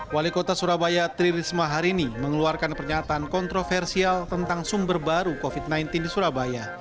wali kota surabaya tri risma hari ini mengeluarkan pernyataan kontroversial tentang sumber baru covid sembilan belas di surabaya